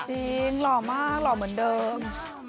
หล่อมากหล่อเหมือนเดิม